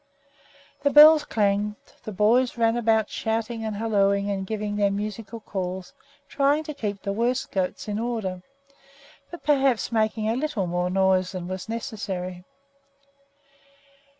The bells clanged, the boys ran about shouting and hallooing and giving their musical calls, trying to keep the worst goats in order, but perhaps making a little more noise than was necessary.